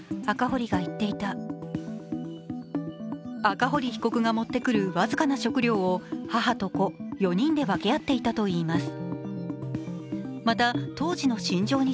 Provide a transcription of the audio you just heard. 赤堀被告が持ってくる僅かな食料を母と子４人で分け合っていたといいます。